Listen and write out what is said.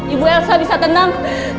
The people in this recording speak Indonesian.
ibu elsa bisa tenang